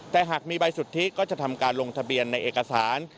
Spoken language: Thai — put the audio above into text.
แต่หากมีใบสุทธิก็จะทำการลงทะเบียนในเอกสาร